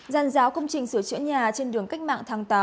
giàn giáo công trình sửa chữa nhà trên đường cách mạng tháng tám